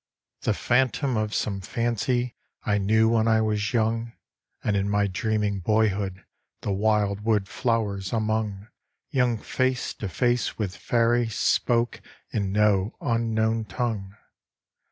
The phantom of some fancy I knew when I was young, And in my dreaming boyhood, The wildwood flow'rs among, Young face to face with Faery Spoke in no unknown tongue.